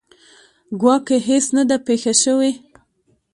ګواکې هیڅ نه ده پېښه شوې.